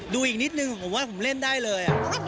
ดูอีกนิดนึงผมว่าผมเล่นได้เลย